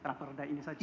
aperda ini saja